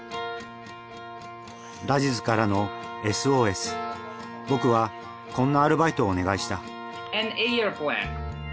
ラジズからのＳＯＳ僕はこんなアルバイトをお願いした。